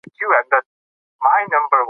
د دقیقو معلوماتو نشتون ستونزې جوړوي.